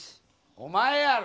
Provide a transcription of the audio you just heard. お前やろ。